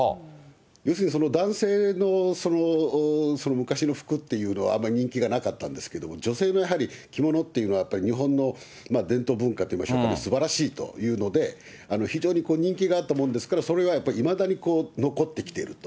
要するに、男性の昔の服っていうのは、あまり人気がなかったんですけども、女性のやはり着物っていうのは、やっぱり日本の伝統文化って言いましょうかね、すばらしいというので、非常に人気があったものですから、それは、やっぱりいまだに残ってきていると。